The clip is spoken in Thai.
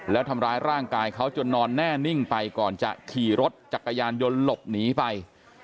แล้วทำร้ายร่างกายเขาจนนอนแน่นิ่งไปก่อนจะขี่รถจักรยานยนต์หลบหนีไป